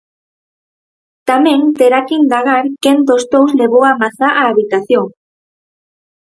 Tamén terá que indagar quen dos dous levou a mazá á habitación.